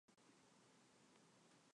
布尔拉斯蒂克。